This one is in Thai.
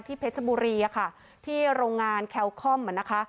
ที่เพชรบุรีค่ะที่โรงงานแคลคอมนะคะ